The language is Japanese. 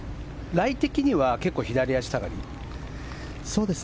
ライ的には結構左足下がり？